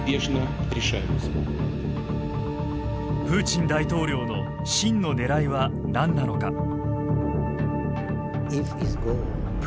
プーチン大統領の真の狙いは何なのか。